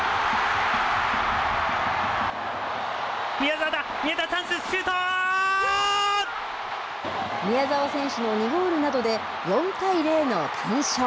宮澤だ、宮澤、宮澤選手の２ゴールなどで、４対０の完勝。